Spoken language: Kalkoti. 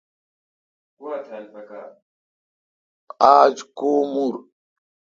آج کو مور۔